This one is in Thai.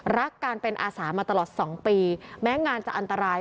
รักการเป็นอาสามาตลอด๒ปีแม้งานจะอันตราย